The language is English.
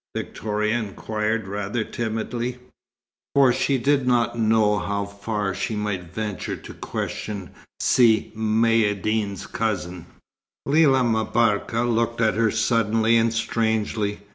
Victoria inquired, rather timidly; for she did not know how far she might venture to question Si Maïeddine's cousin. Lella M'Barka looked at her suddenly and strangely.